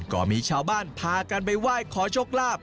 ก็มีชาวบ้านพากันไปไหว้ขอโชคลาภ